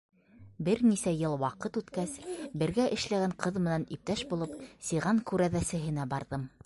Бер нисә йыл ваҡыт үткәс, бергә эшләгән ҡыҙ менән иптәш булып, сиған күрәҙәсеһенә барҙым.